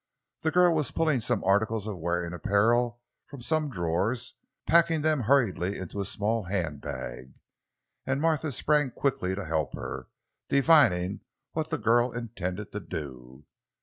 The girl was pulling some articles of wearing apparel from some drawers, packing them hurriedly into a small handbag, and Martha sprang quickly to help her, divining what the girl intended to do.